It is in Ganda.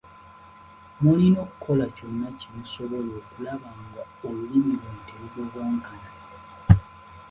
Mulina okukola kyonna kye musobola okulaba nga olulimi luno terudobonkana.